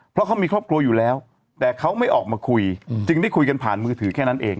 เพราะเขามีครอบครัวอยู่แล้วแต่เขาไม่ออกมาคุยจึงได้คุยกันผ่านมือถือแค่นั้นเอง